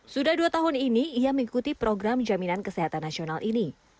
sudah dua tahun ini ia mengikuti program jaminan kesehatan nasional ini